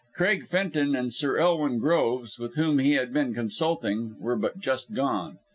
Craig Fenton and Sir Elwin Groves, with whom he had been consulting, were but just gone.